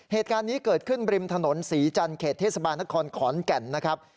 เหตุการณ์นี้เกิดขึ้นริมถนนศรีจันทร์เขตเทศบาลนครขอนแก่นนะครับ